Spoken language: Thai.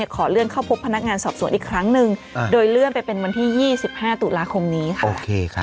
ขอเลื่อนเข้าพบพนักงานสอบสวนอีกครั้งหนึ่งโดยเลื่อนไปเป็นวันที่๒๕ตุลาคมนี้ค่ะ